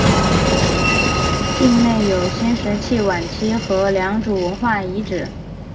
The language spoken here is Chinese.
境内有新石器晚期和良渚文化遗址。